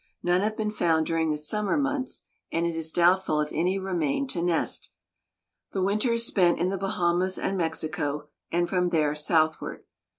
None have been found during the summer months, and it is doubtful if any remain to nest. The winter is spent in the Bahamas and Mexico, and from there southward.